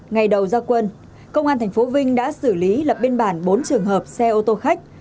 ngày đầu gia quân công an tp vinh đã xử lý lập biên bản bốn trường hợp xe ô tô khách